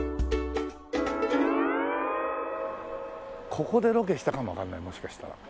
ここでロケしたかもわかんないもしかしたら。